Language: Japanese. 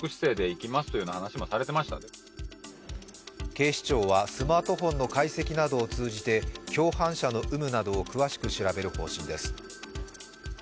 警視庁はスマートフォンの解析などを通じて共犯者の有無などを詳しく調べる方針です。